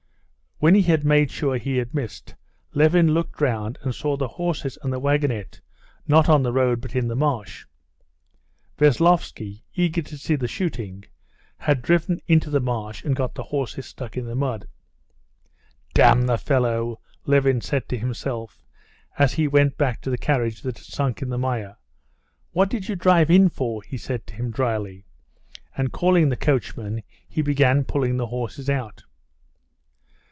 When he had made sure he had missed, Levin looked round and saw the horses and the wagonette not on the road but in the marsh. Veslovsky, eager to see the shooting, had driven into the marsh, and got the horses stuck in the mud. "Damn the fellow!" Levin said to himself, as he went back to the carriage that had sunk in the mire. "What did you drive in for?" he said to him dryly, and calling the coachman, he began pulling the horses out.